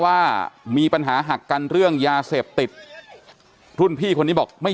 ว่ามีปัญหาหักกันเรื่องยาเสพติดรุ่นพี่คนนี้บอกไม่